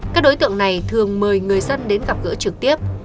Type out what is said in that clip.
các đối tượng này thường mời người dân đến gặp gỡ trực tiếp